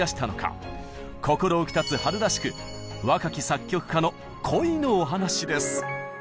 心浮き立つ春らしく「若き作曲家の恋のお話」です！